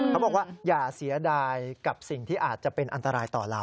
เขาบอกว่าอย่าเสียดายกับสิ่งที่อาจจะเป็นอันตรายต่อเรา